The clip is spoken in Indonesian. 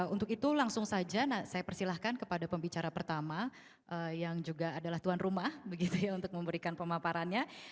untuk itu langsung saja saya persilahkan kepada pembicara pertama yang juga adalah tuan rumah begitu ya untuk memberikan pemaparannya